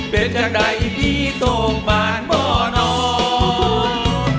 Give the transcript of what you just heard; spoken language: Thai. เป็นจากไหนที่ตกบ้านม่อนออก